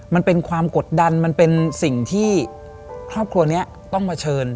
มันเป็นความกดดันมันเป็นสิ่งที่ครอบครัวนี้ต้องเผชิญ